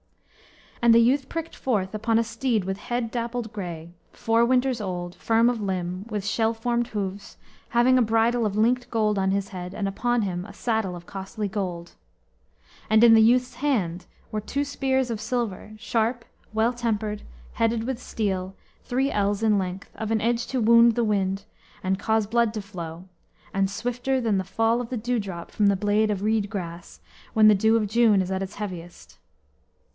And the youth pricked forth upon a steed with head dappled gray, four winters old, firm of limb, with shell formed hoofs, having a bridle of linked gold on his head, and upon him a saddle of costly gold. And in the youth's hand were two spears of silver, sharp, well tempered, headed with steel, three ells in length, of an edge to wound the wind, and cause blood to flow, and swifter than the fall of the dew drop from the blade of reed grass, when the dew of June is at the heaviest.